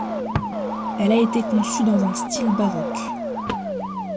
Elle a été conçue dans un style baroque.